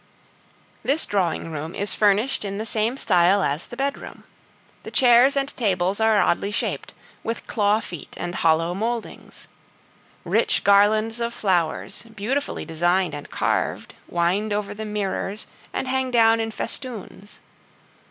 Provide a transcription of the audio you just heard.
This drawing room is furnished in the same style as the bedroom. The chairs and tables are oddly shaped, with claw feet and hollow mouldings. Rich garlands of flowers, beautifully designed and carved, wind over the mirrors and hang down in festoons.